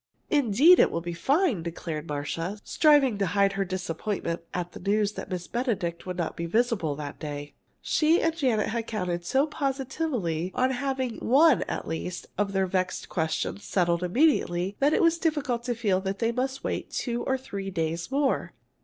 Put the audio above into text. "Indeed, it will be fine!" declared Marcia, striving to hide her disappointment at the news that Miss Benedict would not be visible that day. She and Janet had counted so positively on having one at least, of their vexed questions settled immediately that it was difficult to feel they must wait two or three days more.